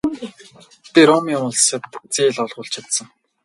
Би Румын улсад зээл олгуулж чадсан.